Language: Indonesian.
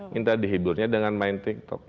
minta dihiburnya dengan main tiktok